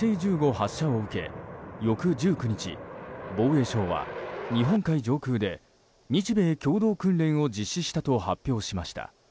発射を受け翌１９日防衛省は日本海上空で日米共同訓練を実施したと発表しました。